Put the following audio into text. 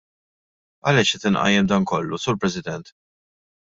Għaliex qed inqajjem dan kollu, Sur President?